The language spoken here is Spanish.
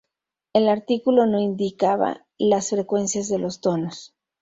El artículo no indicaba las frecuencias de los tonos.